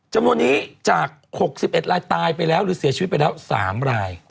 จำนวนนี้จาก๖๑รายตายไปแล้วหรือเสียชีวิตไปแล้ว๓ราย